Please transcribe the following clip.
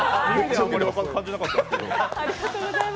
あまり感じなかったんですけど。